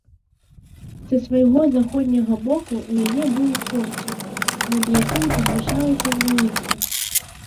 Са свайго заходняга боку ў яе быў порцік, над якім узвышалася званіца.